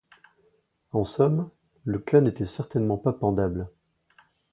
En somme, le cas n’était certainement pas pendable.